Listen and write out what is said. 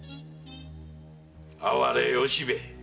哀れ由兵衛